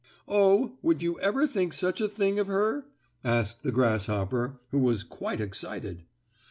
"Oh, would you ever think such a thing of her?" asked the grasshopper, who was quite excited.